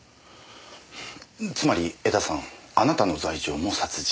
つまり江田さんあなたの罪状も殺人。